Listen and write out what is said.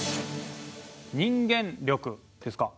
「人間力」ですか。